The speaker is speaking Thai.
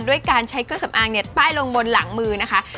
ด้วยการใช้เครื่องสำอางเนี่ยป้ายลงบนหลังมือนะคะ